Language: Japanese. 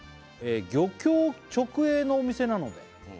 「漁協直営のお店なので」